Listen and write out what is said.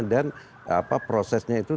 dan prosesnya itu